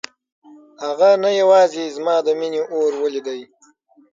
هغه نه یوازې زما د مينې اور ولید.